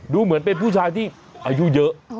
ดูเหมือนเป็นผู้ชายที่อายุเยอะ